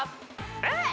えっ！